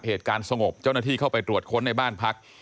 เหตุการณ์สงบเจ้าหน้าที่เข้าไปตรวจค้นในบ้านพัก